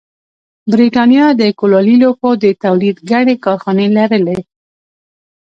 برېټانیا د کولالي لوښو د تولید ګڼې کارخانې لرلې